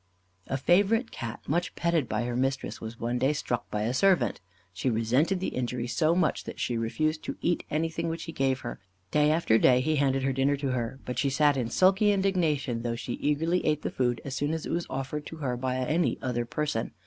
A favourite Cat, much petted by her mistress, was one day struck by a servant. She resented the injury so much that she refused to eat anything which he gave her. Day after day he handed her dinner to her, but she sat in sulky indignation, though she eagerly ate the food as soon as it was offered to her by any other person.